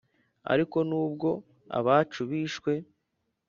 ariko nubwo abacu bishwe!